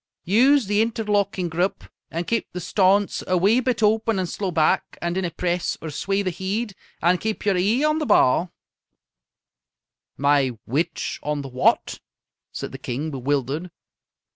"Use the interlocking grup and keep the staunce a wee bit open and slow back, and dinna press or sway the heid and keep yer e'e on the ba'." "My which on the what?" said the King, bewildered.